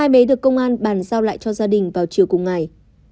hai bé được công an bàn giao lại cho gia đình vào chiều cùng ngày